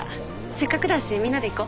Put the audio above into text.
せっかくだしみんなで行こ。